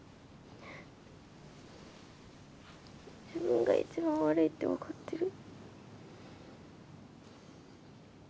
自分が一番悪いって分かってる。